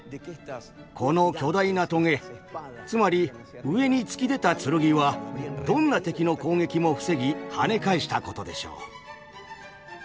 この巨大なトゲつまり上に突き出た剣はどんな敵の攻撃も防ぎはね返したことでしょう。